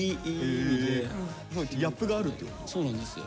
そうなんですよ。